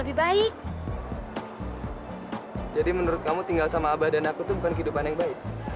lebih baik jadi menurut kamu tinggal sama abah dan aku tuh bukan kehidupan yang baik